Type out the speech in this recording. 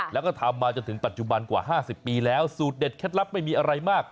แล้วก็ทำมาจนถึงปัจจุบันกว่า๕๐ปีแล้วสูตรเด็ดเคล็ดลับไม่มีอะไรมาก